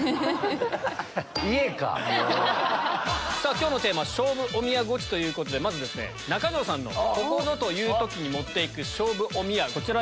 今日のテーマは勝負おみやゴチということでまず中条さんのここぞという時持って行く勝負おみやこちら！